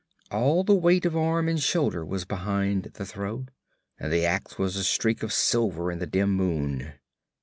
All the weight of arm and shoulder was behind the throw, and the ax was a streak of silver in the dim moon.